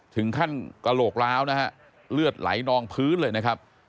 ถึงขั้นกระโหลกล้าวนะฮะเลือดไหลนองพื้นเลยนะครับ